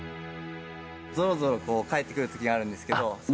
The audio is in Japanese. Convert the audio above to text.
ぞろぞろ帰ってくる時があるんですけど。